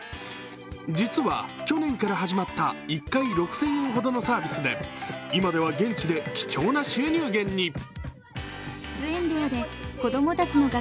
実は去年から始まった１回６０００円ほどのサービスで今では現地で貴重な収入源に。